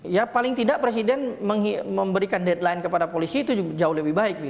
ya paling tidak presiden memberikan deadline kepada polisi itu jauh lebih baik